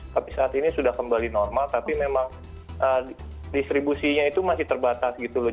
tapi saat ini sudah kembali normal tapi memang distribusinya itu masih terbatas gitu loh